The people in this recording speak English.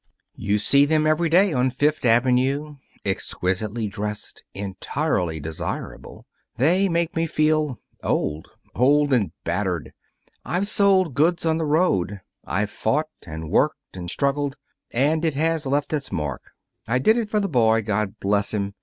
You see them every day on Fifth Avenue, exquisitely dressed, entirely desirable. They make me feel old old and battered. I've sold goods on the road. I've fought and worked and struggled. And it has left its mark. I did it for the boy, God bless him!